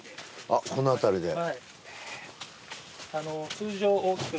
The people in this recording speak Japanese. あっこの辺りで。